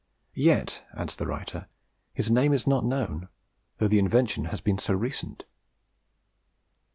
Yet (adds the writer) his name is not known, though the invention has been so recent."